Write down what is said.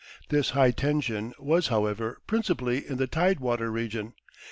This high tension was, however, principally in the tidewater region.